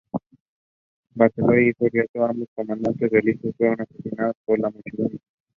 Barceló y el hijo de Riaño, ambos comandantes realistas, fueron asesinados por la muchedumbre.